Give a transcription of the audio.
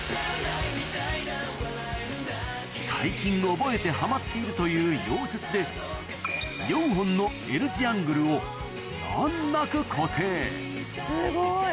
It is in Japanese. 最近覚えてハマっているという溶接で４本のＬ字アングルを難なく固定すごい！